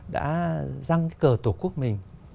đã răng cờ tổ quốc mình